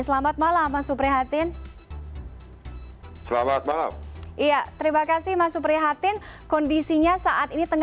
selamat malam mas supri hatin